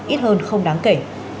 ít hơn không đáng kể